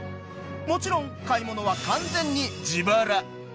もちろん買い物は完全に自腹。